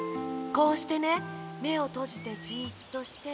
こうしてねめをとじてじっとして。